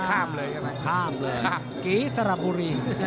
ข้ามเลยกรีสระบุรี